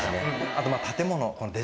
あと。